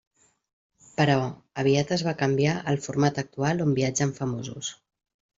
Però, aviat es va canviar al format actual on viatgen famosos.